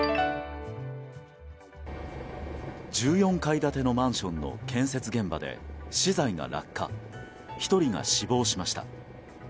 １４階建てのマンションの建設現場で資材が落下１人が死亡しました。